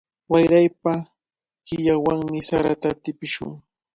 Waraypa killawanmi sarata tipishun.